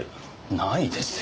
ないですよ。